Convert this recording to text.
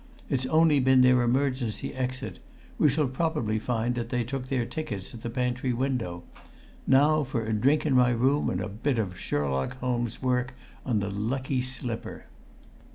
It's only been their emergency exit; we shall probably find that they took their tickets at the pantry window. Now for a drink in my room and a bit of Sherlock Holmes' work on the lucky slipper!"